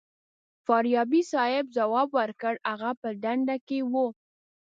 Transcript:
فاریابي صیب ځواب ورکړ هغه په دنده کې و.